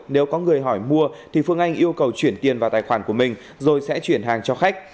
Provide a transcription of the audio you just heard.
nếu có người hỏi mua thì phương anh yêu cầu chuyển tiền vào tài khoản của mình rồi sẽ chuyển hàng cho khách